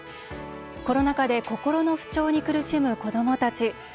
コロナ禍で心の不調に苦しむ子どもたち。